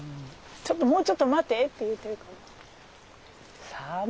ちょっともうちょっと待てって言うてるかな。